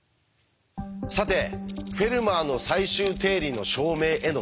さて「フェルマーの最終定理」の証明への道。